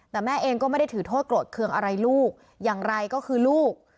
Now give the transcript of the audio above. แต่แม่เองก็ไม่ได้ถือโทษโกรธเครื่องอะไรลูกอย่างไรก็คือลูก